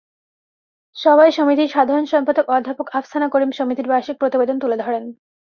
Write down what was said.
সভায় সমিতির সাধারণ সম্পাদক অধ্যাপক আফসানা করিম সমিতির বার্ষিক প্রতিবেদন তুলে ধরেন।